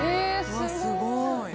うわっすごい。